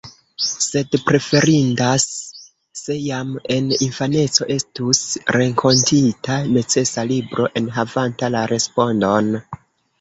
Sed preferindas, se jam en infaneco estus renkontita necesa libro, enhavanta la respondon.